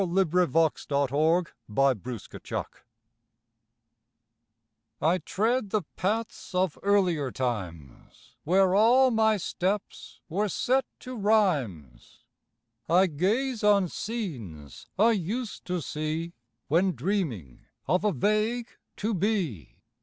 REALISATION (At the Old Homestead) I tread the paths of earlier times Where all my steps were set to rhymes. I gaze on scenes I used to see When dreaming of a vague To be.